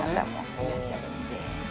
いらっしゃるんで。